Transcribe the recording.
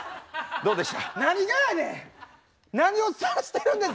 どうした？